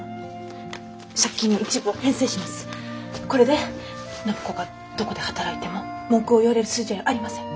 これで暢子がどこで働いても文句を言われる筋合いありません。